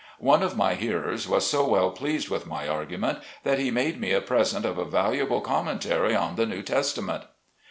One of my hearers was so well pleased with my argument, that he made me a present of a valuable commentary on the New Testament.